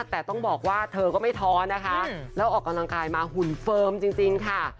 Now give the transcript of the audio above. แต่ต้องบอกว่าเธอก็ไม่ท้อนะคะแล้วออกกำลังกายมาหุ่นเฟิร์มจริงค่ะ